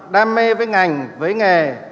đam mê với ngành với nghề